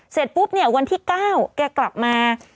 เสร็จปุ๊บวันที่๙เขากลับมา